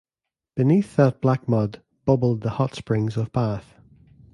Beneath that black mud, bubbled the hot springs of Bath.